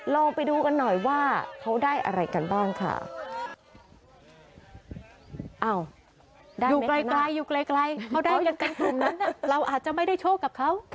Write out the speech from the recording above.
ลองไปดูกันหน่อยว่าเขาได้อะไรกันบ้างค่ะ